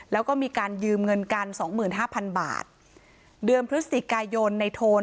แล้วก็มีการยืมเงินกันสองหมื่นห้าพันบาทเดือนพฤศจิกายนในโทน